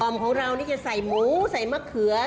ของเรานี่จะใส่หมูใส่มะเขือ